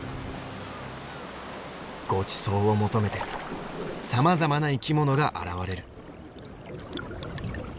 ごちそうを求めてさまざまな生き物が現れる。